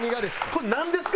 これなんですか？